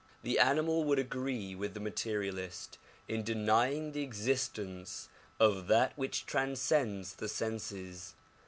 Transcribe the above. The animal would agree with the materialist in denying the existence of that which transcends the senses.